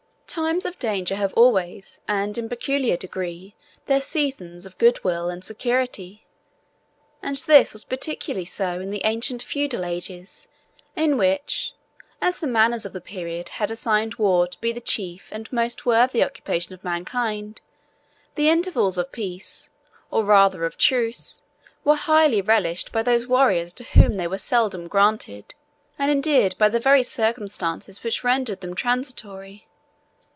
Times of danger have always, and in a peculiar degree, their seasons of good will and security; and this was particularly so in the ancient feudal ages, in which, as the manners of the period had assigned war to be the chief and most worthy occupation of mankind, the intervals of peace, or rather of truce, were highly relished by those warriors to whom they were seldom granted, and endeared by the very circumstances which rendered them transitory.